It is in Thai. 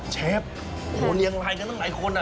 เชฟโหเนียงไหลกันตั้งหลายคน